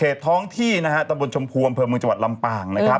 เขตท้องที่ตะบนชมพูคมบมบลำปาง